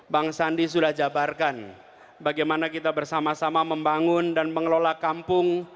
bang sandi sudah jabarkan bagaimana kita bersama sama membangun dan mengelola kampung